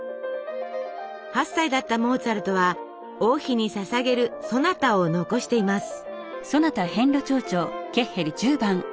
８歳だったモーツァルトは王妃にささげるソナタを残しています。